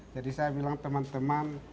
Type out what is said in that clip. saya bilang teman teman